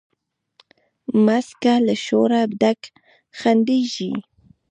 مځکه له شوره ډکه خندیږي